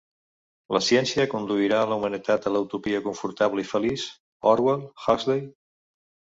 La ciència conduirà la humanitat a la utopia confortable i feliç? Orwell, Huxley?